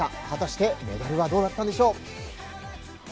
果たしてメダルはどうだったんでしょう。